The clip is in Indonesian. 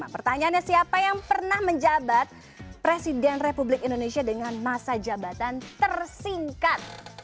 pertanyaannya siapa yang pernah menjabat presiden republik indonesia dengan masa jabatan tersingkat